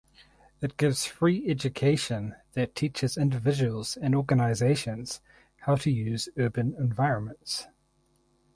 It gives free education that teaches individuals and organizations how to use urban environments.